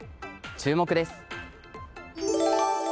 注目です。